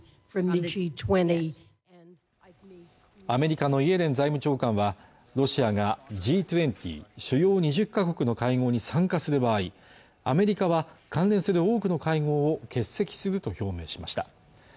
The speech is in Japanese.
アメリカのイエレン財務長官はロシアがＧ２０＝主要２０か国の会合に参加する場合アメリカは関連する多くの会合を欠席すると表明しました